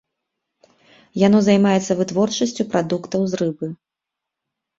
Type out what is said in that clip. Яно займаецца вытворчасцю прадуктаў з рыбы.